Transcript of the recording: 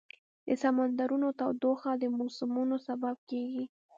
د سمندرونو تودوخه د موسمونو سبب کېږي.